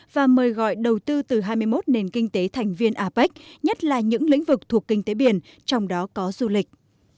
và mời gọi đầu tư từ hai mươi một nền kinh tế thành viên apec nhất là những lĩnh vực thuộc kinh tế biển trong đó có du lịch